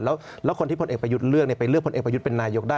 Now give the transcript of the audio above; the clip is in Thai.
แล้วคนที่พลเอกประยุทธ์เลือกไปเลือกพลเอกประยุทธ์เป็นนายกได้